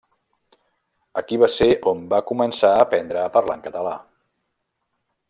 Aquí va ser on va començar a aprendre a parlar en català.